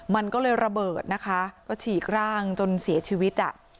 มันก็เลยระเบิดนะคะก็ฉีกร่างจนเสียชีวิตอ่ะ